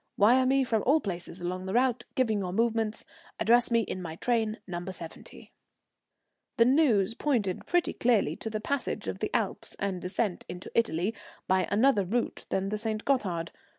Wire me from all places along the route, giving your movements. Address me in my train No. 70." The news pointed pretty clearly to the passage of the Alps and descent into Italy by another route than the St. Gothard.